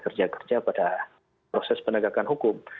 kerja kerja pada proses penegakan hukum